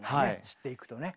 知っていくとね。